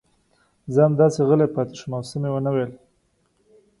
زه همداسې غلی پاتې شوم او څه مې ونه ویل.